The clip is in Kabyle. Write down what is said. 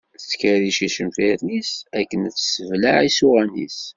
Tettkerric icenfiren-is akken ad tesseblaɛ isuɣan-is.